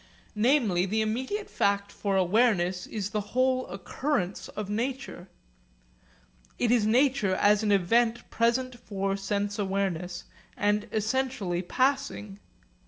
Namely the immediate fact for awareness is the whole occurrence of nature. It is nature as an event present for sense awareness, and essentially passing.